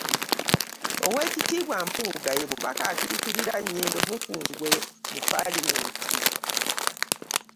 Oweekitiibwa Mpuuga, ye mubaka akiikirira Nnyendo Mukungwe mu paalamenti.